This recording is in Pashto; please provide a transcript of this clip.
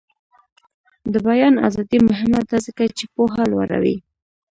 د بیان ازادي مهمه ده ځکه چې پوهه لوړوي.